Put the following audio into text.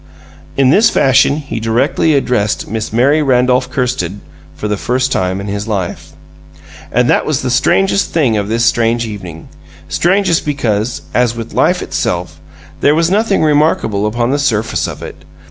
In this fashion he directly addressed Miss Mary Randolph Kirsted for the first time in his life. And that was the strangest thing of this strange evening. Strangest because, as with life itself, there was nothing remarkable upon the surface of it.